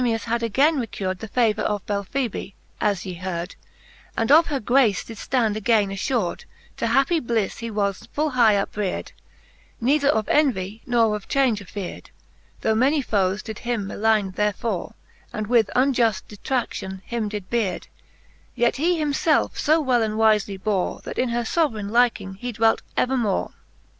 After that litntas had againe recurcd The favour of Belphebe, as ye heard, And of her grace did fland againe affured, To happie bHffe he was full high uprear'd, Neither of envy, nor of chaunge afeard, Though many foes did him maligne therefore, And with unjuft detradion did him beard ; Yet he himfelfe fo well and wifely bore, That in her foveraine lyking he dwelt evermore.